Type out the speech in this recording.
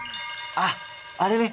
あっあれね